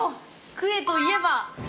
クエといえば！